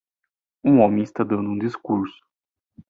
Um homem está dando um discurso